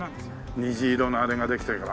虹色のあれができてるから。